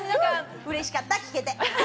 うれしかった、聞けて。